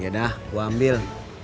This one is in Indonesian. yaudah gue ambil